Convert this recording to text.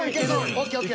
ＯＫＯＫ。